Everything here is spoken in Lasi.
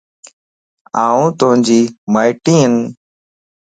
آن توجي ماٽئين